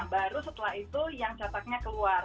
baru setelah itu yang cataknya keluar